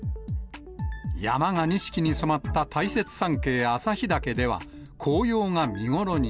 山が錦に染まった大雪山系旭岳では、紅葉が見頃に。